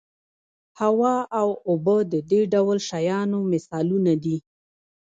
هوا او اوبه د دې ډول شیانو مثالونه دي.